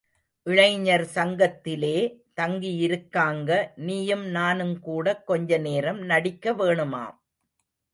இளைஞர் சங்கத்திலே தங்கியிருக்காங்க, நீயும் நானும் கூட கொஞ்ச நேரம் நடிக்க வேணுமாம்.